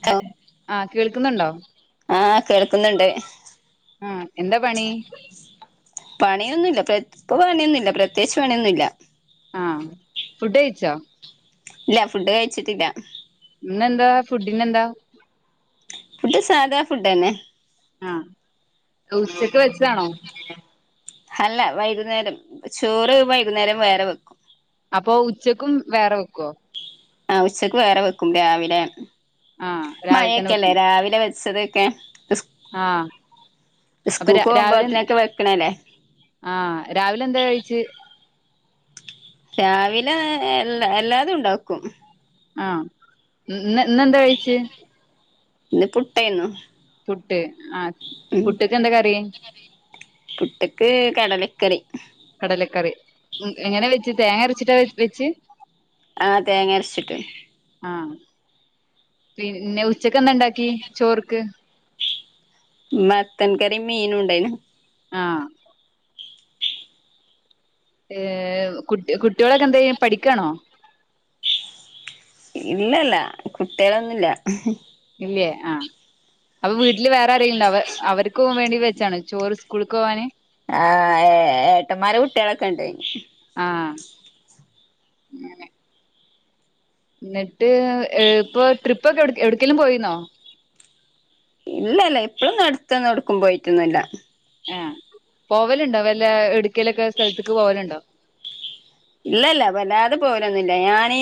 [unintelligible] ആഹ് കേൾക്കുന്നുണ്ടോ ആഹ് കേൾക്കുന്നുണ്ട് ആ എന്താ പണി? പണിയൊന്നുല്ല ഇപ്പൊ പണിയൊന്നും ഇല്ല പ്രത്യേകിച്ച് പണിയൊന്നുല്ല ആഹ് ഫുഡ് കഴിച്ചോ? ഇല്ല ഫുഡ് കഴിച്ചിട്ടില്ല. ഇന്ന് എന്താ ഫുഡിന് എന്താ? ഫുഡ് സാധാ ഫുഡന്നെ ആഹ് ഉച്ചക്ക് വെച്ചതാണോ? അല്ല വൈകുന്നേരം, ചോറ് വൈകുന്നേരം വേറെ വെക്കും. അപ്പൊ ഉച്ചക്കും വേറെ വെക്കോ ആ ഉച്ചക്ക് വേറെ വെക്കും, രാവിലെ ആഹ് രാവിലെ മഴയൊക്കെയല്ലേ രാവിലെ വെച്ചത് ഓക്കെ ആ സ്കൂക്ക് പോകുമ്പോത്തിനൊക്കെ വെക്കണല്ലേ ആ രാവിലെ എന്തോ കഴിച്ചു രാവിലെ എല്ല എല്ലാതും ഉണ്ടാക്കും ആ ഇന്നെന്താ കഴിച്ചേ ഇന്ന് പുട്ടാരുന്നു പുട്ട് ആ പുട്ടുക്ക് എന്താ കറി പുട്ടുക്ക് കടലക്കറി കടലക്കറി എങ്ങനെ വെ ച്ച് തേങ്ങ അരച്ചിട്ടാ വെച്ച് ആഹ് തേങ്ങ അരച്ചിട്ട് ആ പിന്നെ ഉച്ചക്കെന്താ ഉണ്ടാക്കി ചോർക്ക് മത്തൻ കറിയും മീനും ഉണ്ടായിനു ആ ഏ കുട്ടി കുട്ടികളൊക്കെ എന്താ ചെയ്യാ പഠിക്കാണോ ഇല്ലില്ല കുട്ടികളൊന്നും ഇല്ല ഇല്ലേ ആ അപ്പൊ വീട്ടില് വേറെ ആരെങ്കിലും ഉണ്ടോ അവ അവർക്ക് പോകാൻ വേണ്ടി വെച്ചതാണോ ചോറ് സ്കൂളക്ക് പോവാന് ആ ഏ ഏട്ടന്മാരുടെ കുട്ടികളൊക്കെ ഉണ്ട് ആഹ് എന്നിട്ട് ഇപ്പൊ ട്രിപ്പൊക്കെ എ എവിടക്കലും പോയിന്നോ? ഇല്ലല്ല ഇപ്പഴും നടത്തന്ന് കൊടുക്കും പോയിട്ടൊന്നല്ല. ആഹ് പോവലുണ്ടോ വല്ല എടുക്കലൊക്കെ സ്ഥലത്തേക്ക് പോവലുണ്ടോ? ഇല്ലല്ല വല്ലാതെ പോവലൊന്നുല്ല ഞാനീ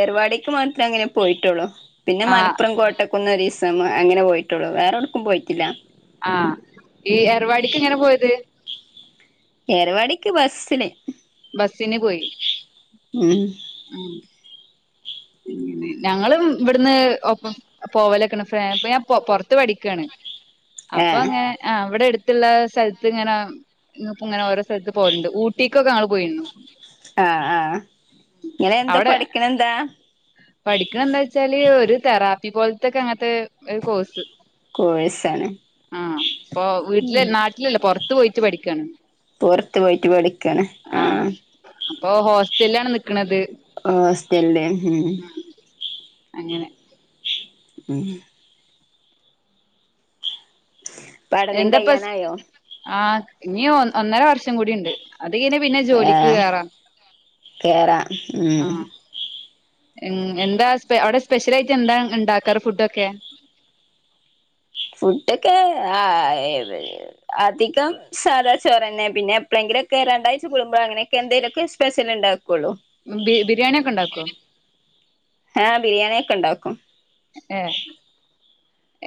ഏർവാടിക്ക് മാത്രം അങ്ങനെ പോയിട്ടുള്ളു. പിന്നെ ആഹ് മലപ്പുറം കോട്ടക്കുന്ന് ഒരീ അങ്ങനെ പോയിട്ടുള്ളൂ വേറോടുക്കും പോയിട്ടില്ല. ആ ഈ എർവാടിക്ക് എങ്ങനെ പോയത്? ഏർവാടിക്ക് ബസിന്. ബസിന് പോയി. ഉം ഉം ഞങ്ങള് ഇവിടുന്ന് ഒപ്പ പോവലക്ക ഞാൻ ഫ്രെ പൊറത്ത് പഠിക്കാണ്. അപ്പൊ ഏഹ് അങ്ങനെ ആ ഇവിടെ അടു ത്തുള്ള സ്ഥലത്ത് ഇങ്ങനെ പ്പോ ങ്ങനെ ഓരോ സ്ഥലത്ത് പോല്ണ്ട് ഊട്ടിക്കൊക്കെ ഞങ്ങള് പോയിണ്. ആ ആ ഇങ്ങളെ എന്താ അവിടെ പഠിക്കണെന്താ? പഠിക്കണ എന്താ വെച്ചാല് ഒരു തെറാ പി പോലത്തെക്കെ അങ്ങനത്തെ ഒരു കോഴ്സ്. കോഴ്സാണ്. ആ ഇപ്പൊ വീട്ടില് നാട്ടിലല്ല പുറത്ത് പോയിട്ട് പഠിക്കാണ് പുറത്ത് പോയിട്ട് പടിക്കാണ് ആ അപ്പൊ ഹോസ്റ്റലാണ് നിക്ക്ണ്ത് ഹോസ്റ്റൽല് ഉം അങ്ങനെ ഉം പഠനം എന്താപ്പ സ് കഴിയാനായോ ആ ഇനി ഒ ഒന്നര വർഷം കൂടിയുണ്ട് ഏ കേറാം ഉം ഉം എന്താ സ്പ അവിടെ സ്പെഷ്യലായിട്ട് എന്താ ഉണ്ടാക്കാറ് ഫുഡൊക്കെ ഫുഡൊക്കെ ആ അധികം സാദാ ചോറ്ന്നെ പിന്നെ എപ്പളെങ്കിലൊക്കെ രണ്ടാഴ്ച്ച കൂടുമ്പോ അങ്ങനെയൊക്കെ എന്തേലുക്കെ സ്പെഷ്യൽ ഉണ്ടാക്കുള്ളൂ പി ബിരിയാണിയൊക്കെ ഉണ്ടാക്കോ ആ ബിരിയാണി ഒക്കെ ഉണ്ടാക്കും ഏ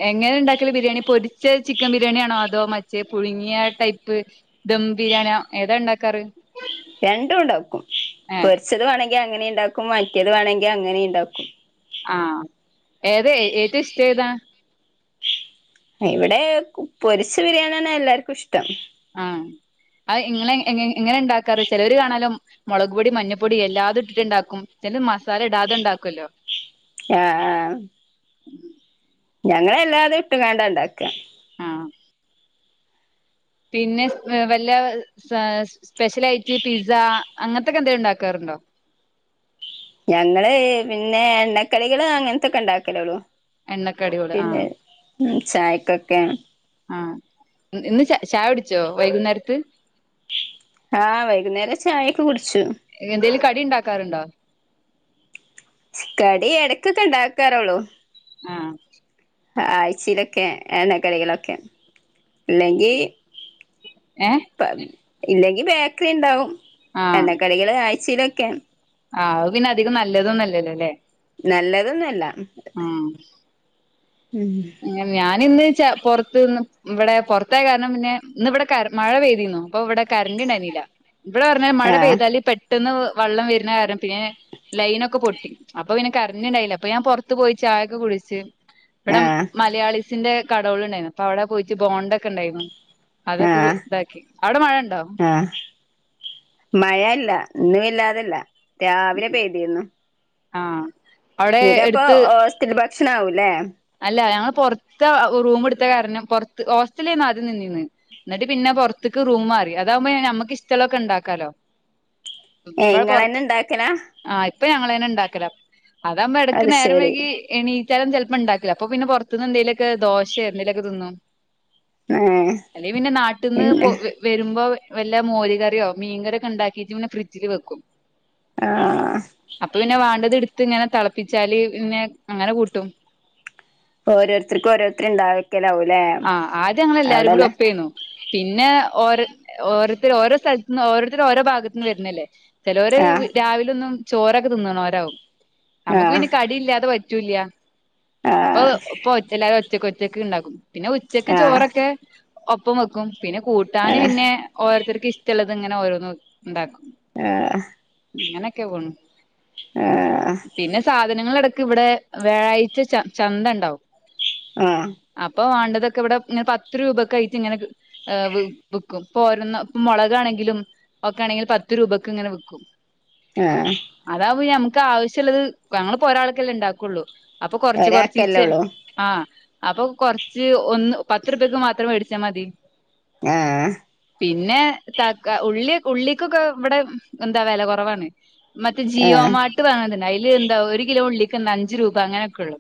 എങ്ങനെ ഉണ്ടാക്കല ബിരിയാണി പൊരിച്ച ചിക്കൻ ബിരിയാണിയാണോ അതോ മച്ചേ പുഴുങ്ങിയ ടൈപ്പ് ദം ബിരിയാണിയ ഏതാ ഇണ്ടാക്കാറ് രണ്ടും ഉണ്ടാക്കും ഏഹ് പൊരിച്ചത് വേണെ ങ്കി അങ്ങനെ ഉണ്ടാക്കും മറ്റേത് വേണമെങ്കിൽ അങ്ങനെ ഇണ്ടാക്കും ആ ഏത ഏറ്റവും ഇഷ്ട ഏതാ ഇവിടെ പൊരിച്ച ബിരിയാണിയാണ് എല്ലാർക്കും ഇഷ് ആ അത് ഇങ്ങെളെ എങ്ങ ങ്ങനെണ്ടാ ക്കാറ് ചിലവര് കാണാലോ മുളക്പൊടി മഞ്ഞപ്പൊടി എല്ലാതും ഇട്ടിട്ട്ണ്ടാക്കും ചില മസാല ഇടാതെ ണ്ടാക്കോല്ലോ ആ ആ ഉം ഞങ്ങളെല്ലാരെയും ഇട്ടും കാണ്ടാ ഇണ്ടാക്ക ആ പിന്നെ വല്ല സ സ്പെഷ്യൽയിട്ട് പിസ്സ അങ്ങനത്തൊക്കെ എന്തേലും ഉണ്ടാക്കാറുണ്ടോ ഞങ്ങള് പിന്നെ എണ്ണക്കടികള് അങ്ങനത്തൊക്കെ ഉണ്ടാക്കലേ ഉള്ളു എണ്ണക്കടിയോട് ആ ഉം ചായക്കൊക്കെ ആ ഇന്ന് ചാ ചായകുടിച്ചോ വൈകുന്നേരത്ത് ആ വൈകുന്നേര ചായകുടി എന്തെങ്കിലും കടി ഇണ്ടാക്കാറുണ്ടോ കടി എടയ്ക്കൊക്കെ ഉണ്ടാക്കാറുള്ളു ആ ആഴ്ച്ചയിലൊക്കെ എണ്ണക്കടികളൊക്കെ ഇല്ലെങ്കി ഏഹ് [unintelligible] ഇല്ലെങ്കി ബേക്കറി ഇണ്ടാവും എണ്ണക്കടികള് ആഴ്ചയിലോ ക്കെ ആ പിന്നെ അധികം നല്ലതൊന്നും അല്ലല്ലോ ലേ നല്ലതൊന്നല്ല ഉം ഉം അങ്ങനെ ഞാൻ ഇന്ന് പോറത്തുന്ന് ഇവിടെ പോറത്തായി കാരണം പിന്നെ ഇന്ന് ഇവിടെ മഴ പെയ്തിനു അപ്പോ ഇവിടെ കറന്റ് ഇണ്ടായിനില്ല ഇവിടെ പറഞ്ഞാല് മഴ ആഹ് പെയ്താല് പെ ട്ടന്ന് വെള്ളം വരുന്ന കാരണം പിന്നെ ലൈനൊക്കെ പൊട്ടി അപ്പോ പിന്നെ കറന്റ് ഇണ്ടായില്ല അപ്പോ ഞാൻ പുറത്ത് പോയി ചായൊക്കെ കുടിച്ച് ആ ഇവിടെ മലയാളീസിന്റെ കടോള് ഉണ്ടായിരുന്നു അപ്പോ അവിടെ പോയിട്ട് ബോണ്ട ഒക്കെണ്ടായിരുന്നു ആ ഉണ്ടോ ആ മഴ ഇല്ല ഇന്നുവാല്ല അതല്ല രാവിലെ പെയ്തിരുന്നു ആ നിങ്ങക്ക് അപ്പോ സ്ഥിര ഭക്ഷ ലവുലെ അല്ല ഞങ്ങ പോറത്ത റൂം എടുത്ത കാരണം പുറത്ത് ഹോസ്റ്റലിൽ ആദ്യം നിന്നിന്ന് എന്നിട്ട് പിന്നെ പുറത്തേക്ക് റൂം മാറി അതാകുമ്പോ നമുക്ക് ഇഷ്ടോള്ളതൊക്കെ ഉണ്ടാക്കാലോ ഏഹ് ഇങ്ങളെന്നെ ഇണ്ടാക്കലാ ഇപ്പ ഞങ്ങളെന്നെ ഇണ്ടാക്കല അതാമ്പോ എടക്ക് അത് നേരം ശരി വൈകി എണീ ചേലും ചെലപ്പോ ഇണ്ട അപ്പൊ പുറത്തുനിന്ന് എന്തെലൊക്കെോ ദോശയോ എന്തെങ്കലൊക്കെ തിന്നും ഏഹ് അല്ലെ പിന്നെ നാട്ടിൽന്ന് പോ പിന്നെ വരുമ്പോ വല്ലാ മോരികറിയോ മീൻകറി ഉണ്ടാക്കിട്ട് ഇങ്ങനെ ഫ്രിഡ്ജിൽ വെക്കും. ആഹ് അപ്പൊ പിന്നെ വേണ്ടത് എടുത്ത് ത്തിങ്ങനെ തിളപ്പിച്ചാല് പിന്നെ അങ്ങനെ കൂട്ടും. ഓരോരുത്തർക്കും ഓരോരുത്തരു ഇണ്ടാക്കു ആഹ് ആദ്യം ഞങ്ങൾ എല്ലാരും കൂടി ഒപ്പേന്നു. പിന്നെ ഓരോ ഓരോത്തർ ഓരോ സ്ഥലത്തും ഓരോത്തരു ഓരോ ഭാഗു നിന്ന് വരുന്നല്ലേ? ചിലവര് ആഹ് രാവിലൊന്നും ചോറൊക്കെ തിന്നണം ഒരാവും. നമുക്ക് ആഹ് പിന്നെ കടി ഇല്ലാതെ പറ്റി റ്റുല്യ അപ്പൊ ആഹ് ഇപ്പ ഒറ്റ എല്ലാരും ഒറ്റക്ക് ഒറ്റക്ക് റ്റക്ക് ഉണ്ടകും. പിന്നെ ഉച്ചക്ക് ആഹ് ചോറൊക്കെ ഒപ്പം വെക്കും. പിന്നെ കൂട്ടാന് ആഹ് പിന്നെ ഓരോര ഇവർക്ക് ഇഷ്ടുള്ളത് ഇങ്ങനെ ഓരോന്നും ഇണ്ടാക്കും. ആഹ് ഇങ്ങനൊക്കെ പോണു. ആഹ് പിന്നെ സാധനങ്ങൾടക്ക് ഇവിടെ വ്യാഴാഴ്ച ച ചന്ത ഉണ്ടാവും. ആഹ് ഇപ്പൊ വേണ്ടതൊക്കെ ഇവിടെ ഇങ്ങനെ പത്ത് രൂപക്കെ ആയിട്ട് ഇങ്ങനെ കി വി വിക്കും. ഇപ്പ ഒരേ ഇപ്പ മുളകാണെങ്കിലും ഒക്കെ ആണെങ്കിൽ പത്ത് രൂപക്കെ ഇങ്ങനെ വിക്കും. ആഹ് അതാവുമ്പോ നമുക്ക് ആവശ്യ ഉള്ളത് ഞങ്ങളിപ്പോ ഒരാൾക്കെല്ലേ ഉണ്ടാക്കുള്ളൂ. അപ്പൊ കൊറച്ച് ഒരാക്കല്ലേ കൊറച്ചീച്ച് ഉള്ളൂ ആ അപ്പൊ കൊറ ഒന്ന് പത്ത് രൂപയ്ക്ക് മാത്രം മേടിച്ചാൽ മതി. ആഹ് പിന്നെ തക്ക ഉള്ളി ഉള്ളിക്കൊക്കെ ഇവിടെ എന്താ വില കുറവാണ്. മറ്റേ ജിയോ ആഹ് മാട്ട് വേണ അയ്ല് എന്താ ഒരു കിലോ ഉള്ളിക്ക് ന്നഞ്ച്‌ രൂപ അങ്ങനെക്കെ ള്ളു.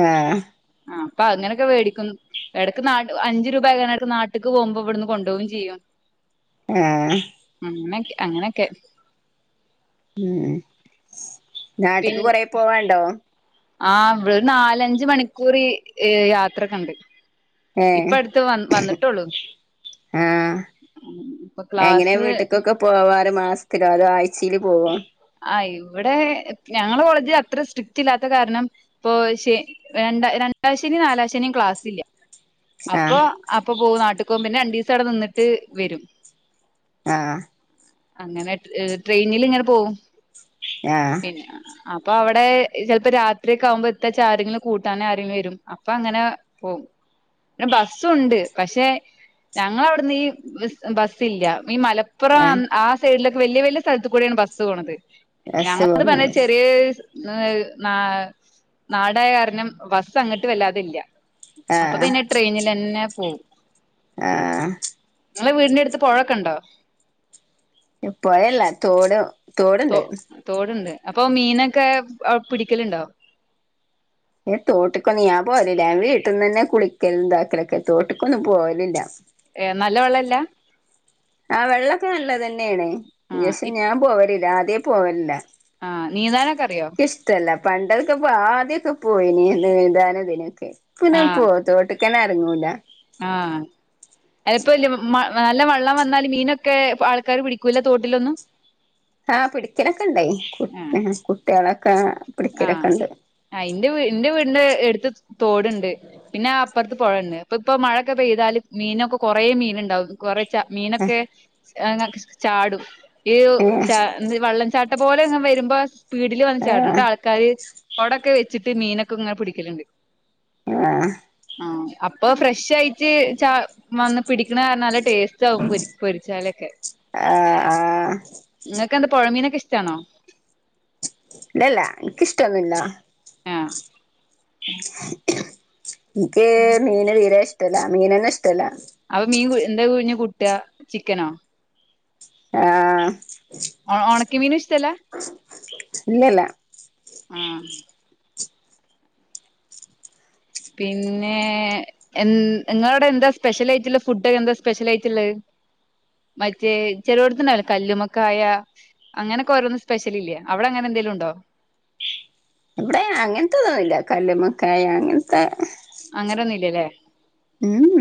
ആ ആ അപ്പ അങ്ങനെ ക്കെ വേടിക്കുന്നു എടക്ക് നാ അഞ്ചു രൂപ ങ്ങണട്ത്ത് നാട്ട്ക്ക് പോവുമ്പോ ഇവട്ന്ന് കൊണ്ടോവും ചെയ്യും ആ അങ്ങനെക്കെ ഉം പിൻ നട്ട്ക്ക് കൊറെ പോവാണ്ടോ ആ ഇവിടെ നാലഞ്ച് മണിക്കൂർ അ് യാത്രക്കെണ്ട് ഏ ആ ഇപ്പൊ എങ്ങനെ ക്ലാസ് വീട്ട്ക്കൊക്കെ പോവാ മാസത്തിലോ അതോ ആയ്ചയില് പോവോ ആ് ഇവടെ ഞങ്ങളെ കോളേജ്ല് അത്ര സ്ട്രിക്ട് ല്ലാത്ത കാരണം ഇപ്പൊ ശെ രണ്ടാ രണ്ടാശനിം നാലാ ശനിം ക്ലാസില്ല ആഹ് അപ്പൊ അപ്പൊ പോവും ന ട്ട് കോവും പിന്നെ രണ്ടീസവ്ടെ നിന്നിട്ട് വരും ആ അങ്ങനെ അ് ട്രെയിനി ലിങ്ങനെ പോവും ആഹ് പിന്നെ അപ്പൊ അവടെ ചെല് പ്പോ രാത്രിക്കാവുമ്പോ എത്തച്ച ആരെങ്കിലും കൂട്ടാനാരെം വരും അപ്പൊ അങ്ങനെ പോവും പിന്നെ ബസ്സുണ്ട് പക്ഷെ ഞങ്ങളവ്ട്ന്ന് ഈ ബസ്സില്ല ഈ ആഹ് മലപ്പുറം ആ സൈഡിലെ വെല്ല്യ വെല്ല്യ സ്ഥലത്ത് കൂടെണ് ബസ് പോണത് ബസ് ഞങ്ങൾത് ന്ന് പർഞ്ഞ പോണത് ചെറിയ [unintelligible] ന നാടായ കാരണം ബസ്സ് അങ്ങട്ട് വല്ലാതില്ല അപ്പൊ പിന്നെ ട്രെയിനിലെന്നെ പോവും ആ നിങ്ങളെ വീടിന്റെ ട്ത്ത് പുഴൊക്കെ ണ്ടോ പൊഴല്ല തോട തോ തോട്ണ്ട് അപ്പൊ മീനൊക്കെ എ പിടിക്കല്ണ്ടോ ഏ തോട്ട്ക്കൊന്നും ഞാൻ പോവലില്ല ഞാൻ വീട്ടിന്നനെ കുളിക്കലുതാക്കലൊക്കെ തോട്ട്ക്കൊന്നും പോവലില്ല എ നല്ല വെള്ള ല്ല ആ വെള്ളൊക്കെ നല്ലതെന്നെണ് ആ യെസ് ഞാൻ പോവലില്ല ആ ദ്യേ പോവലില്ല ആ നീന്താനൊക്കെ അറിയോ പണ്ടെക്കെ ആദ്യൊക്കെ പോയിനി നീന്താന് ഇതിനൊക്കെ ഇപ്പ ഞാ പോവ തോട്ട്ക് കനറങ്ങൂല ആ അലപ്പല്ല നല്ല വെള്ളം വന്നാല് മീനൊക്കെ ആൾക്കാാര് പിടിക്കൂല്ല തോട്ടിലൊന്നും ആ പിടിക്കലൊക്കെ ഇണ്ടായി കു കുട്ടികളൊക്കെ ആ ആ എന്റെ എന്റെ വീടിന്റെ എടുത്ത് തോടുണ്ട് പിന്നെ അപ്പർത്ത് പൊഴേണ്ട് അപ്പൊ ഇപ്പൊ മഴക്കെ പെയ്താല് മീനൊക്കെ കുറേ മീൻ ഇണ്ടാവും കുറ ച മീനൊക്കെ ങ്ങ ചാടും ഈ ഏ ച വള്ളം ചാട്ട ത് പോലെങ്ങ് വരുമ്പോ സ്പീ ആ ചാടണ്ട് ആൾക്കാര് കൊടൊക്കെ വെച്ചിട്ട് മീനൊക്കെ ഇങ്ങനെ പിടിക്കലുണ്ട് ആ ആ അപ്പൊ ഫ്രഷായിട്ട് ച വന്ന പിടിക്കണ കാര നല്ല ടേസ്റ്റ് ആകും പ പൊരിച്ചാലൊക്കെ ആ ആ ഇങ്ങൾക്കെന്താ പൊഴമീനൊക്കെ ഇഷ്ട ട്ടാണോ ഇല്ലല്ല ൻക്കിഷ്ടൊന്നുല്ല ആഹ് ൻക്ക് മീന് തീരേഷ് ല്ല മീനെൻ ഇഷ്ടല്ല അപ മീൻ എന്താ പിന്നെ കൂട്ട ചിക്കനോ ആ ഓ ഓണക്കമീന് ഷ്ടല്ല ഇല്ലല്ല ആ പിന്നെ എ നിങ്ങളോടെന്താ സ്പെഷ്യലായിട്ട്ള്ള ഫുഡൊക്കെന്താ സ്പെഷ്യൽ ആയിട്ടുള്ളെ മറ്റേ ചെലോട്ത്ത്ണ്ടാവല്ലോ കല്ലുമക്കായ അങ്ങനെയൊക്കെ ഓരോന്നും സ്പെഷ്യൽ ഇല്ലെ അവിടെ അങ്ങനെ എന്തെലും ഉണ്ടോ വ്ടെ അങ്ങനത്തെതൊന്നില്ല കല്ല്മക്കായ അങ്ങന് ത്തെ അങ്ങനൊന്നുംല്ലല്ലേ ഉം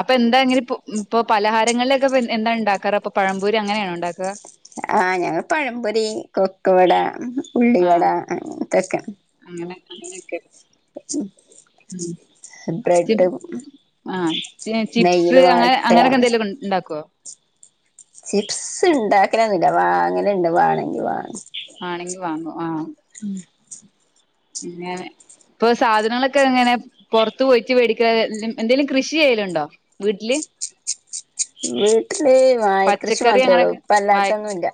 അപ്പൊ എന്താ ഇങ്ങനെ ഇ ഇപ്പൊ പലഹാരങ്ങളിലൊക്കെ എന്താ ഉണ്ടാക്കാറ ഇപ്പൊ പഴംപൊരി അങ്ങനെയാണോണ്ടാക്ക ആ ഞങ്ങൾ പഴപൊരി കൊക്കവട ഉള്ളിവട തൊക്കെ ക്കെ ബ്രെഡ് ചിപ്പ് ആ ചിപ്സ് നെയ്യിൽ അങ്ങ വാട്ട അങ്ങനൊക്കെ എന്തെലോക്കെണ്ടാക്കോ ചിപ്സ് ണ്ടാക്കലൊന്നുല്ല വാങ്ങല്ണ്ട് വാണങ്കി വാ വാണെങ്കി വാങ്ങു ആ ങ്ങനെ ഇപ്പൊ സാധനങ്ങളൊക്കെ എങ്ങനെ പൊറത്ത് പോയിട്ട് വേടിക്ക എന്തേ ലും കൃഷി ചെയ്യലുണ്ടോ വീട്ടില് വീട്ടില് വായ കൃഷി പച്ചക്കറി മാത്രേ ഉള്ളൂ അങ്ങനൊക്കെ പ്പ വായ അല്ലാത്തൊന്നുംല്ല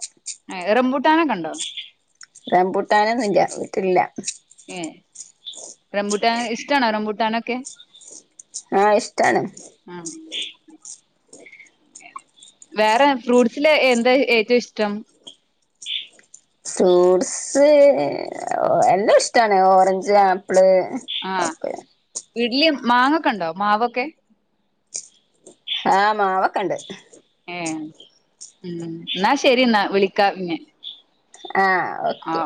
റംബൂട്ടാനൊക്കെ ഉണ്ടോ റംപുട്ടാൻ ഒന്നുല്ല വീട്ടിലില്ല ഏഹ് റംബൂട്ടാ ഇഷ്ടണോ റംബൂട്ടനൊ ക്കെ ആ ഇഷ്ടാണ് വേറെ ഫ്രൂട്ടസില് എന്താ ഏറ്റവും ഇഷ്ടം ഫ്രൂട്സ് എല്ലാം ഇഷ്ടാണ് ഓറഞ്ച് ആപ്പിള് ഓക്കേ ഇഡ്ലി മാങ്ങൊക്കെ ഉണ്ടോ മാവൊക്കെ ആ മാവൊക്കണ്ട് ഏ ഉം എന്നാ ശരി എന്നാ വിളിക്കാപിന്നെ ആ ഓക്കെ